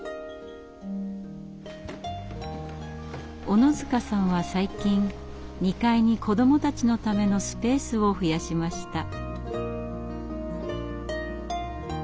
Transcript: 小野塚さんは最近２階に子どもたちのためのスペースを増やしました。